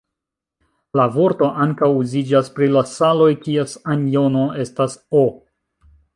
La vorto ankaŭ uziĝas pri la saloj, kies anjono estas "O".